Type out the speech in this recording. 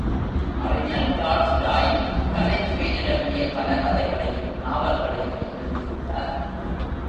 அறிஞர் டால்ஸ்டாய் கலைச்சுவை நிரம்பிய பல கதைகளையும் நாவல்களையும் எழுதியுள்ளார்.